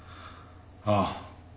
ああ。